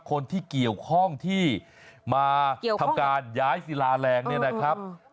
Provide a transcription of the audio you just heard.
คนที่เกี่ยวข้องที่มาทำการย้ายศิลาแรงเนี่ยนะครับ